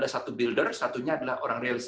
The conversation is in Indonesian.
satu builder satunya adalah orang realis